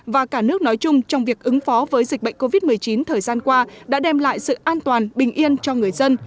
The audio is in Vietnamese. và cả nước nói chung trong việc ứng phó với dịch bệnh covid một mươi chín thời gian qua đã đem lại sự an toàn bình yên cho người dân